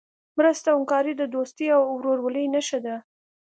مرسته او همکاري د دوستۍ او ورورولۍ نښه ده.